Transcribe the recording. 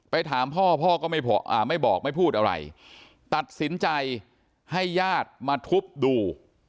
ถามพ่อพ่อก็ไม่บอกไม่พูดอะไรตัดสินใจให้ญาติมาทุบดู